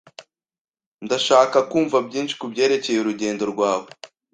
Ndashaka kumva byinshi kubyerekeye urugendo rwawe.